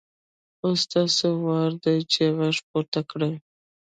اوس ستاسو وار دی چې غږ پورته کړئ.